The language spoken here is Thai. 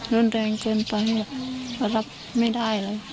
รุนแรงเกินไปเรารับไม่ได้แล้ว